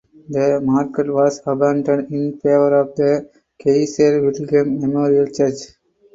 The market was abandoned in favour of the Kaiser Wilhelm Memorial Church.